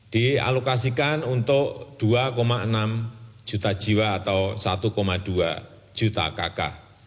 dialokasikan untuk dua enam juta jiwa atau satu dua juta kakak